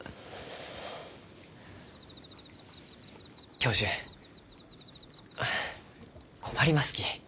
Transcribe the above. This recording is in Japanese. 教授あ困りますき。